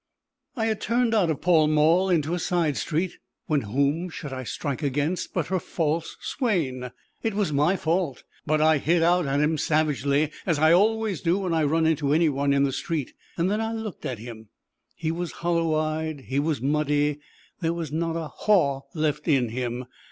I had turned out of Pall Mall into a side street, when whom should I strike against but her false swain! It was my fault, but I hit out at him savagely, as I always do when I run into anyone in the street. Then I looked at him. He was hollow eyed; he was muddy; there was not a haw left in him.